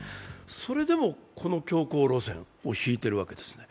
それでもこの強行路線を敷いているわけですね。